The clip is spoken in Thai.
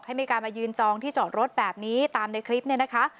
ให้มีการมายืนจองที่จอดรถแบบนี้ตามในคลิปเนี่ยนะคะ